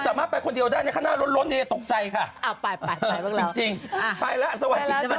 จริงหรือไม่รู้หรือไม่รู้